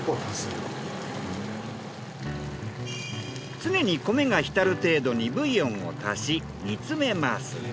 常に米が浸る程度にブイヨンを足し煮詰めます。